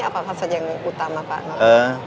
apakah saja yang utama pak